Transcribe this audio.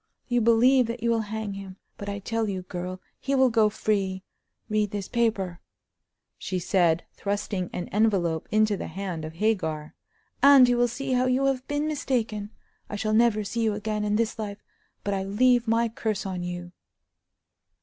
You believe that you will hang him; but I tell you, girl, he will go free. Read this paper," she said, thrusting an envelope into the hand of Hagar, "and you will see how you have been mistaken. I shall never see you again in this life; but I leave my curse on you!"